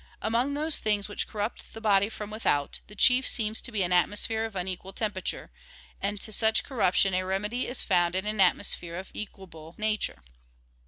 Among those things which corrupt the body from without, the chief seems to be an atmosphere of unequal temperature; and to such corruption a remedy is found in an atmosphere of equable nature.